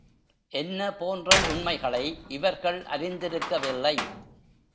என்ன போன்ற உண்மைகளை இவர்கள் அறிந்திருக்கவில்லை.